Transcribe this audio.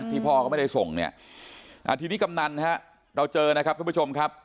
พ่อก็ไม่ได้ส่งเนี่ยทีนี้กำนันฮะเราเจอนะครับทุกผู้ชมครับ